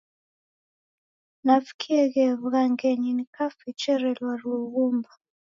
Navikieghe wughangenyi nikafecherelwa lughumba.